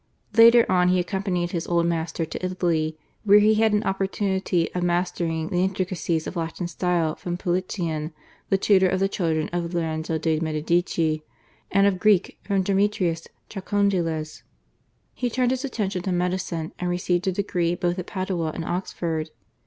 Later on he accompanied his old master to Italy, where he had an opportunity of mastering the intricacies of Latin style from Politian, the tutor of the children of Lorenzo de' Medici, and of Greek from Demetrius Chalcondylas. He turned his attention to medicine and received a degree both at Padua and Oxford.